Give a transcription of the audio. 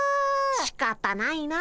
しかたないな。